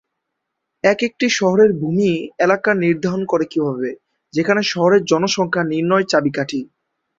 এক একটি শহরের ভূমি এলাকা নির্ধারণ করে কিভাবে, যেখানে শহরের জনসংখ্যা নির্ণয় চাবিকাঠি।